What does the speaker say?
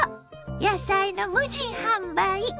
野菜の無人販売。